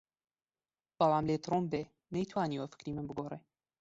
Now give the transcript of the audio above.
بەڵام لێت ڕوون بێ نەیتوانیوە فکری من بگۆڕێ